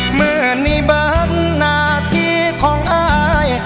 เหมือนในบัตรหน้าที่ของอ้าย